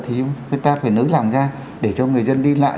thì chúng ta phải nới làm ra để cho người dân đi lại